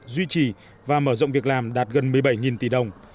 duy trì và mở rộng việc làm đạt gần một mươi bảy tỷ đồng